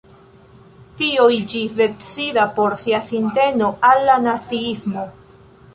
Tio iĝis decida por sia sinteno al la naziismo.